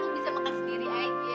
bisa makan sendiri aja